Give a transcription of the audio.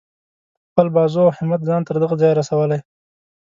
په خپل بازو او همت ځان تر دغه ځایه رسولی.